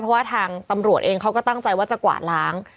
เพราะว่าทางตำรวจเองเขาก็ตั้งใจว่าจะกวาดล้าง